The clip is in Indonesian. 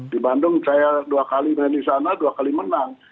di bandung saya dua kali main di sana dua kali menang